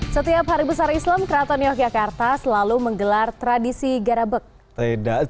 setiap hari besar islam keraton yogyakarta selalu menggelar tradisi garabek